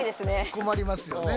困りますよね。